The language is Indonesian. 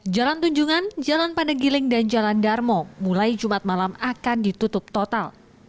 jalan tunjungan jalan pandegiling dan jalan darmo mulai jumat malam akan ditutup total